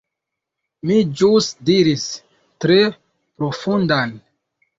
Mi ĵus diris "tre profundan."